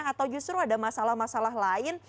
atau justru ada masalah masalah lain